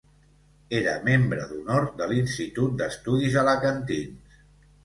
Era Membre d'Honor de l'Institut d'Estudis Alacantins.